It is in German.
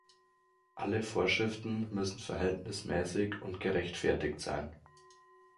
Alle Vorschriften müssen verhältnismäßig und gerechtfertigt sein.